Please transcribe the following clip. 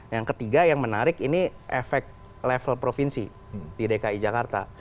yang ketiga yang menarik ini efek level provinsi di dki jakarta